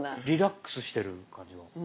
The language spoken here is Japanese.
リラックスしてる感じが。